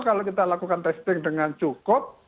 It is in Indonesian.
kalau kita lakukan testing dengan cukup